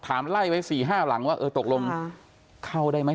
ถามไล่ไปสี่ห้าหลังว่าตกลงเข้าได้ไหม